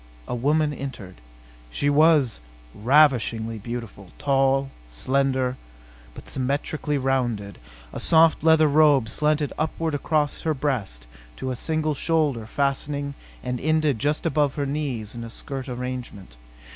A woman entered. She was ravishingly beautiful, tall, slender but symmetrically rounded. A soft leather robe slanted upward across her breast to a single shoulder fastening and ended just above her knees in a skirt arrangement.